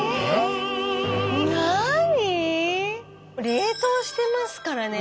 冷凍してますからね。